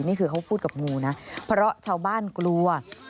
นี่คือเขาพูดกับงูนะเพราะชาวบ้านกลัว